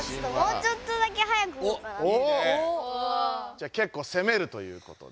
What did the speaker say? じゃあけっこうせめるということで。